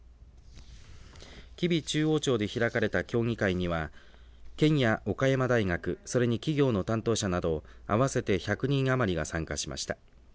吉備中央町で開かれた協議会には県や岡山大学、それに企業の担当者など合わせて１００人余りが参加しました。